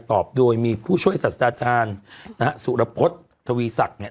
ตอบโดยมีผู้ช่วยศาสตราจารย์นะฮะสุรพฤษทวีศักดิ์เนี่ย